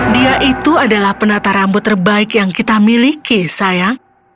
dia itu adalah penata rambut terbaik yang kita miliki sayang